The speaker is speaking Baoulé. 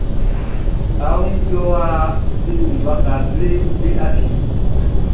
Aunmuan jɔwa sin waka bleʼm be afiɛn.